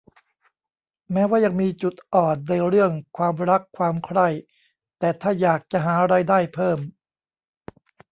แม้ว่ายังมีจุดอ่อนในเรื่องความรักความใคร่ แต่ถ้าอยากจะหารายได้เพิ่ม